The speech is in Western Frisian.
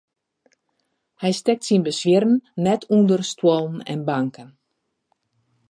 Hy stekt syn beswieren net ûnder stuollen en banken.